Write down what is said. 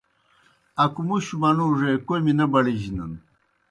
اکمُشوْ منُوڙے کوْمی نہ بڑِجنَن۔